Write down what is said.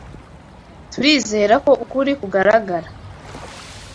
Turizera ko ukuri kugaragara.